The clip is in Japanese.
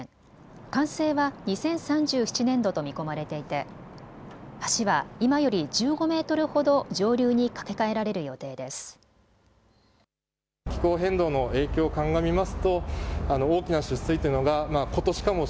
完成は２０３７年度と見込まれていて橋は今より１５メートルほど上流に架け替えられる予定です。